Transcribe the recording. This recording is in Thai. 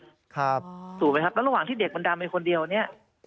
ถูกหรือเปล่าครับและระหว่างเด็กดำเบียงแต่คนเดียวนี้